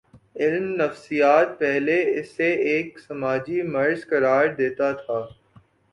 علم نفسیات پہلے اسے ایک سماجی مرض قرار دیتا تھا۔